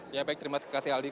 ya baik terima kasih aldi